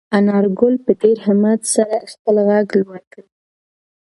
انارګل په ډېر همت سره خپل غږ لوړ کړ.